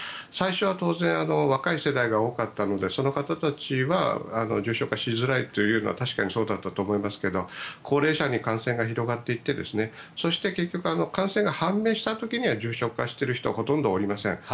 最初は当然若い世代が多かったのでその方たちは重症化しづらいというのは確かにそうだったと思いますが高齢者に感染が広がっていってそして結局感染が判明した時には重症化している人はほとんどおりません。